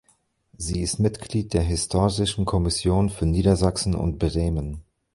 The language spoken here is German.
Sie ist Mitglied der Historischen Kommission für Niedersachsen und Bremen.